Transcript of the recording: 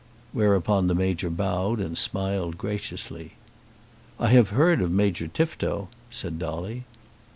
Whereupon the Major bowed and smiled graciously. "I have heard of Major Tifto," said Dolly.